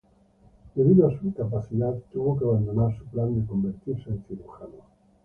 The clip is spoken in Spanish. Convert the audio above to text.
Debido a su incapacidad, tuvo que abandonar su plan de convertirse en cirujano.